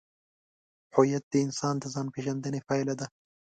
هویت د انسان د ځانپېژندنې پایله ده.